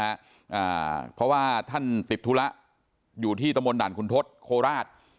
อ่าเพราะว่าท่านติดธุระอยู่ที่ตะมนตด่านคุณทศโคราช